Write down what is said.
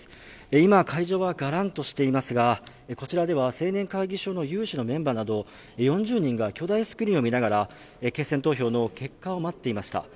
今、会場はがらんとしていますが今、青年会議所のメンバーなど４０人が巨大スクリーンを見ながら決選投票の結果を待っていました。